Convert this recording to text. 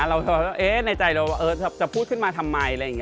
เราในใจเราจะพูดขึ้นมาทำไมอะไรอย่างนี้